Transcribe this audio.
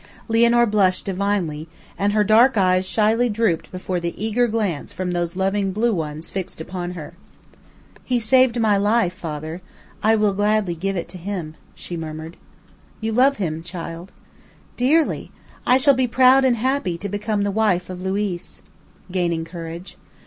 Lianor blushed divinely, and her dark eyes shyly drooped before the eager glance from those loving blue ones fixed upon her. "He saved my life, father. I will give it gladly to him," she murmured. "You love him, child?" "Dearly. I shall be proud and happy to become the wife of Luiz," gaining courage.